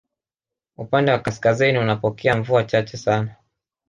Upande wa kaskazini unapokea mvua chache sana